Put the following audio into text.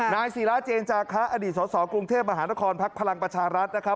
นายศีราเจญจากละอดีตสอศวกรุงเทพอภลังปัชรรัชน์